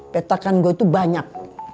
petakan gue itu banyak